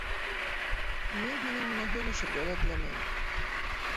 Мин һинең менән һөйләшергә лә теләмәйем.